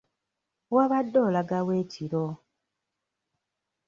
Wabadde olaga wa ekiro?